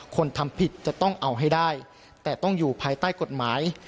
คนทำผิดจะต้องเอาให้ได้แต่ต้องอยู่ภายใต้กฎหมาย